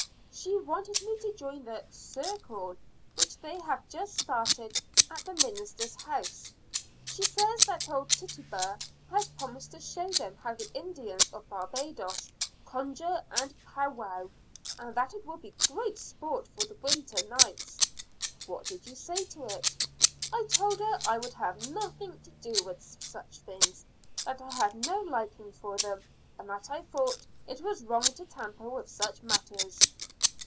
"She wanted me to join the 'circle' which they have just started at the minister's house. She says that old Tituba has promised to show them how the Indians of Barbados conjure and powwow, and that it will be great sport for the winter nights." "What did you say to it?" "I told her I would have nothing to do with such things; that I had no liking for them, and that I thought it was wrong to tamper with such matters."